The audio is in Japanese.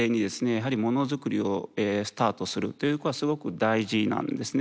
やはりものづくりをスタートするということはすごく大事なんですね。